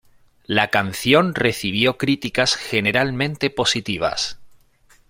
La canción recibió críticas generalmente positivas.